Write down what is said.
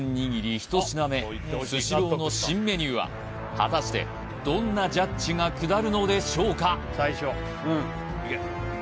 １品目スシローの新メニューは果たしてどんなジャッジが下るのでしょうか？